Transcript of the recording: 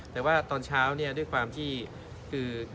แต่ว่าตอนเช้าเนี่ยด้วยความที่คือ